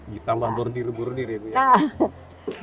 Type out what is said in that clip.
ditambah bodir bodir ya bu